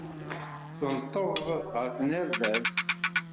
Tenṭeb ɣer tnerdabt.